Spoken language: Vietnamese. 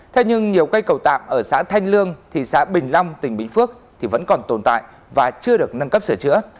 thế nhưng nhiều cây cầu tạm ở xã thanh lương thị xã bình long tỉnh bình phước vẫn còn tồn tại và chưa được nâng cấp sửa chữa